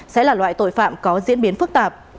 sẽ là loại tội phạm có diễn biến phức tạp